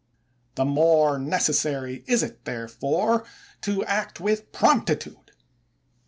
The more necessary is it, therefore, to act with promptitude.